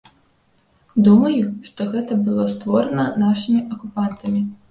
Думаю, што гэта было створана нашымі акупантамі.